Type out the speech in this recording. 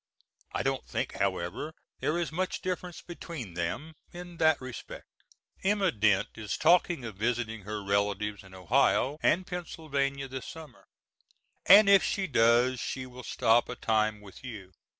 I don't think however there is much difference between them in that respect. Emma Dent is talking of visiting her relatives in Ohio and Penn^a this Summer, and if she does, she will stop a time with you.